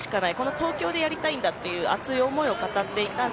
東京でやりたいんだという熱い思いを語っていました。